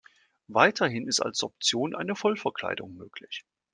Weiterhin ist als Option eine Vollverkleidung möglich.